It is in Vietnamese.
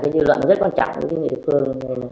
dư luận rất quan trọng với người địa phương